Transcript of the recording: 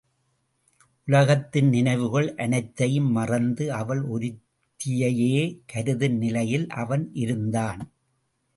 உலகத்தின் நினைவுகள் அனைத்தையும் மறந்து அவள் ஒருத்தியையே கருதும் நிலையில் அவன் இருந்தான்.